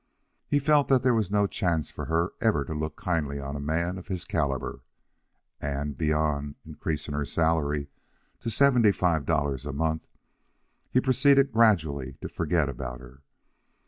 He felt that there was no chance for her ever to look kindly on a man of his caliber, and, beyond increasing her salary to seventy five dollars a month, he proceeded gradually to forget about her.